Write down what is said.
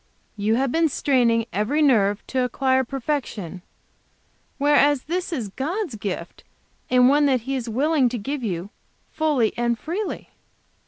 You have been straining every nerve to acquire perfection, whereas this is God's gift, and one that He is willing to give you, fully and freely."